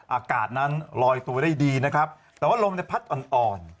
อากาศนั้นลอยตัวได้ดีนะครับแต่ว่ารมในพัดอ่อน